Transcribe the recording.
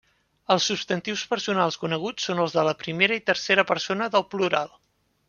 Els substantius personals coneguts són els de la primera i tercera persona del plural.